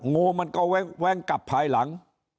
งูมันก็แว้งกลับภายหลัง